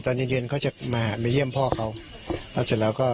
ปกติในเย็นก็จะมาเยี่ยมพ่อเขา